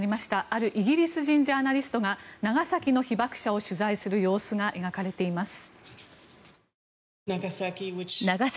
あるイギリス人ジャーナリストが長崎の被爆者を取材する様子が描かれています。